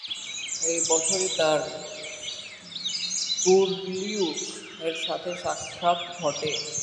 এই বছরই তার বুরলিউক-এর সাথে সাক্ষাত ঘটে।